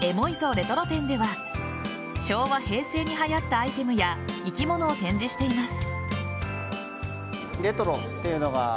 レトロ展」では昭和・平成にはやったアイテムや生き物を展示しています。